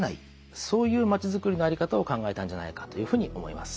そういうまちづくりの在り方を考えたんじゃないかというふうに思います。